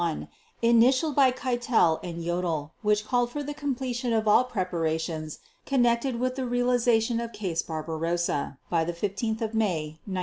21, initialed by Keitel and Jodl, which called for the completion of all preparations connected with the realization of "Case Barbarossa" by 15 May 1941.